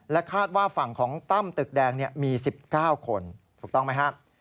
คาดว่าฝั่งของตั้มตึกแดงมี๑๙คนถูกต้องไหมครับ